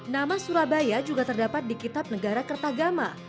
nama surabaya juga terdapat di kitab negara kertagama